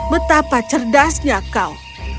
betapa cerdasnya kau